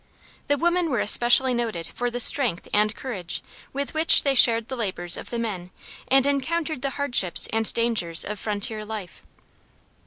The women were especially noted for the strength and courage with which they shared the labors of the men and encountered the hardships and dangers of frontier life.